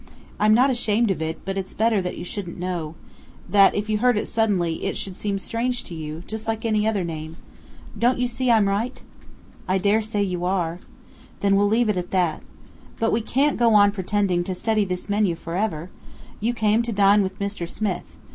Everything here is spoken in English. I'm not ashamed of it; but it's better that you shouldn't know that if you heard it suddenly, it should be strange to you, just like any other name. Don't you see I'm right?" "I dare say you are." "Then we'll leave it at that. But we can't go on pretending to study this menu for ever! You came to dine with Mr. Smith.